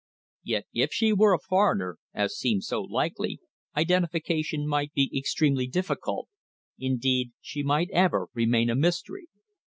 Yet, if she were a foreigner, as seemed so likely, identification might be extremely difficult; indeed, she might ever remain a mystery.